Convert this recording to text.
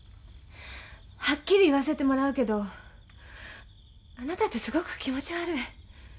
はっきり言わせてもらうけどあなたってすごく気持ち悪い。